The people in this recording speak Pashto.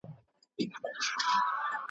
بس کلمات وي، شرنګ وي `